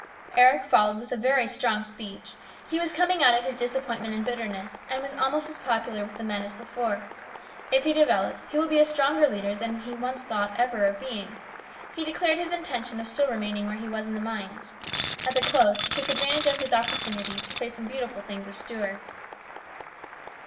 Eric followed with a very strong speech. He was coming out of his disappointment and bitterness, and was almost as popular with the men as before. If he develops, he will be a stronger leader than he once ever thought of being. He declared his intention of still remaining where he was in the mines. At the close he took advantage of his opportunity to say some beautiful things of Stuart.